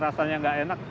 rasanya tidak enak